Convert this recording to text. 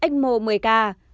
x mô một mươi ca